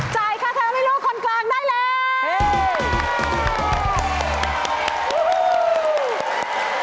จ่ายค่าแท้ให้โลกคนกลางได้แล้ว